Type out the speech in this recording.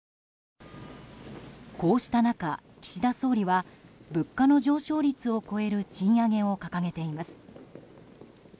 こうした中、岸田総理は物価の上昇率を超える賃上げを掲げています。